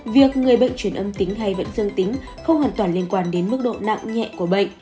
việc người bệnh truyền âm tính hay bệnh dương tính không hoàn toàn liên quan đến mức độ nặng nhẹ của bệnh